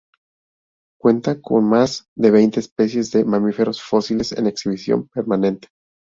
Cuenta con más de veinte especies de mamíferos fósiles en exhibición permanente.